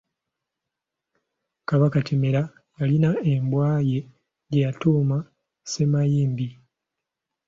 Kabaka Kimera yalina embwa ye gye yatuuma Ssemayimbi.